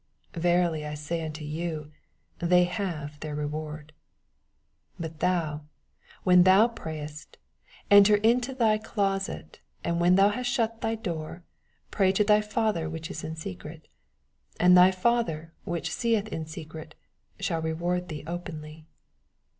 Verily I say unto you, They have their reward. 6 But thou, when thou prayest, enter into thy closet, and when thou hast shut thy door, pray to thy Father which is in secret ; and thy Father which seeth in secret shall reward thee openlv.